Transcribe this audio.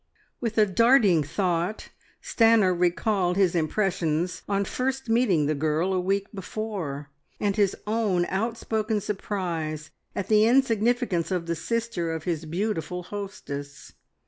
With a darting thought Stanor recalled his impressions on first meeting the girl a week before, and his own outspoken surprise at the insignificance of the sister of his beautiful hostess.